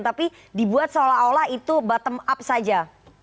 tapi dibuat seolah olah itu bottom up saja